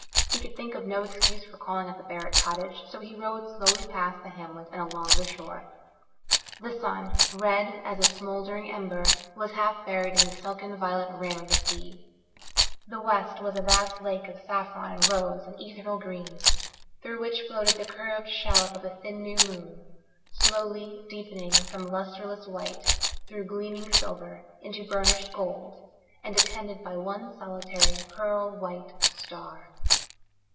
He could think of no excuse for calling at the Barrett cottage, so he rode slowly past the hamlet and along the shore. The sun, red as a smouldering ember, was half buried in the silken violet rim of the sea; the west was a vast lake of saffron and rose and ethereal green, through which floated the curved shallop of a thin new moon, slowly deepening from lustreless white, through gleaming silver, into burnished gold, and attended by one solitary, pearl white star.